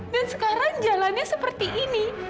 dan sekarang jalannya seperti ini